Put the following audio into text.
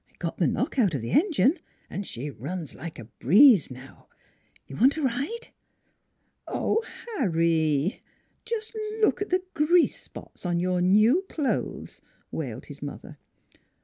Got the knock out the engine; she runs like a breeze now. Want a ride? "" Oh, Harry, just look at the grease spots on your new clothes," wailed his mother.